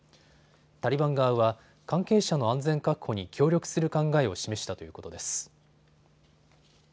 タリバン側は関係者の安全確保に協力する考えを示したということです。